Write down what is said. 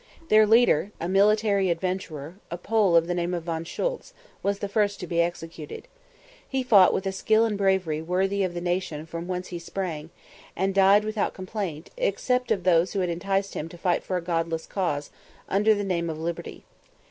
Their leader, a military adventurer, a Pole of the name of Von Schoultz, was the first to be executed. He fought with a skill and bravery worthy of the nation from whence he sprung, and died without complaint, except of those who had enticed him to fight for a godless cause, under the name of liberty.